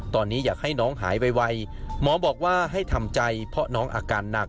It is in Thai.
ตอนนี้อยากให้น้องหายไวหมอบอกว่าให้ทำใจเพราะน้องอาการหนัก